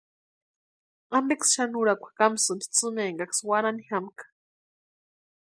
¿Ampeksï xani úrakwa kamsïni tsʼïma énkaksï warharani jamkʼa?